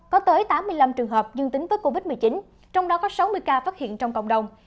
có tới tám mươi năm trường hợp dương tính với covid một mươi chín trong đó có sáu mươi ca phát hiện trong cộng đồng